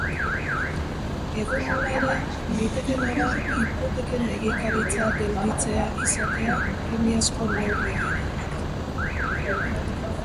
Edonola ere, litekeena da hipoteken egikaritza gelditzea izatea premiazko neurri horietako bat.